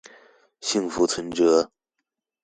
幸福存摺